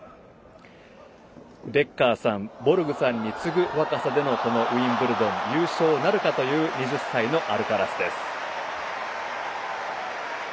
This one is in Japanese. ベッカーさんボルグさんに次ぐ若さでのウィンブルドン優勝なるかという２０歳のアルカラスです。